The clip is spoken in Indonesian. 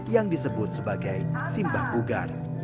yang disebut sebagai simbah bugar